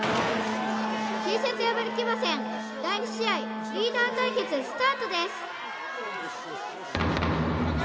Ｔシャツ破り騎馬戦第２試合リーダー対決スタートです